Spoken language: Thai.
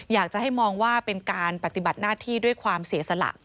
อยากจะให้มองว่าเป็นการปฏิบัติหน้าที่ด้วยความเสียสละ